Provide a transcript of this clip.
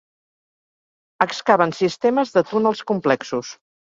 Excaven sistemes de túnels complexos.